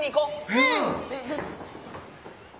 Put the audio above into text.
うん！